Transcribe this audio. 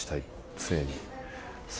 常に。